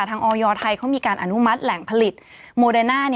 ออยไทยเขามีการอนุมัติแหล่งผลิตโมเดน่า